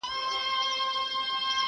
هم پخپله څاه کینو هم پکښي لوېږو٫